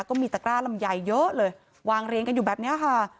ก็มีตะกร้าลำไยเยอะเลยวางเรียงกันอยู่แบบนี้ค่ะ